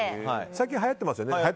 最近、はやってますよね。